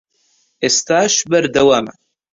ئێستاش بەردەوامە